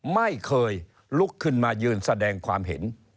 ไม่เคยลุกขึ้นมายืนแสดงความเห็น